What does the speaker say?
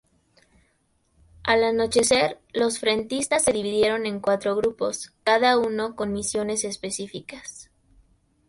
Al anochecer los frentistas se dividieron en cuatro grupos, cada uno con misiones específicas.